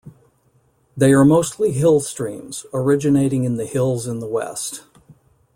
They are mostly hill streams, originating in the hills in the west.